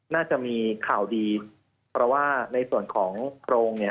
น่าจะมีข่าวดีเพราะว่าในส่วนของโพรงเนี่ย